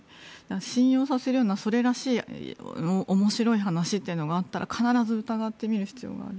信用させるようなそれらしい面白い話というのがあったら必ず疑ってみる必要がある。